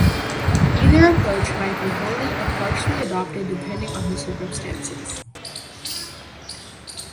Either approach might be wholly or partially adopted depending on the circumstances.